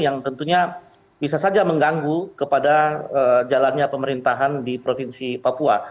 yang tentunya bisa saja mengganggu kepada jalannya pemerintahan di provinsi papua